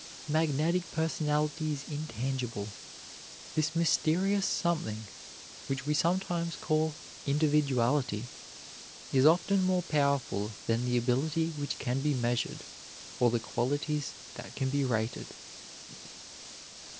Magnetic personality is intangible. This mysterious something, which we sometimes call individuality, is often more powerful than the ability which can be measured, or the qualities that can be rated.